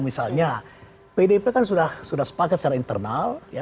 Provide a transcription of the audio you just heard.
misalnya pdip kan sudah sepakat secara internal